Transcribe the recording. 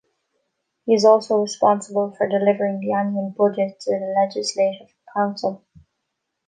He is also responsible for delivering the annual budget to the Legislative Council.